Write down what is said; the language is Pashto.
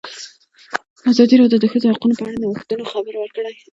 ازادي راډیو د د ښځو حقونه په اړه د نوښتونو خبر ورکړی.